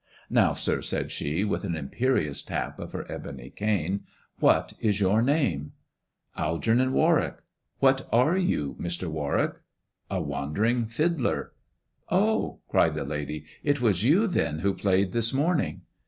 "Now, sir," said she, with an imperious tap of her ebony cane, " what is your name 1 " "Algernon Warwick." "What are you, Mr. Warwick] "" A wandering fiddler !"" Oh I " cried the lady, " it was you, then, who played this morning!"